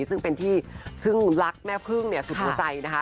ซึ่งเป็นที่ซึ่งรักแม่พึ่งเนี่ยสุดหัวใจนะคะ